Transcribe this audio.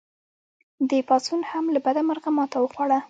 دې پاڅون هم له بده مرغه ماته وخوړه.